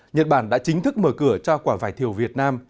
nhật bản đã chính thức mở cửa cho quả vải thiều việt nam